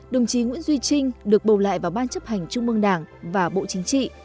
đồng chí nguyễn duy trinh được bầu lại vào ban chấp hành trung mương đảng và bộ chính trị